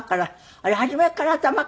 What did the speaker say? あれ初めから頭から。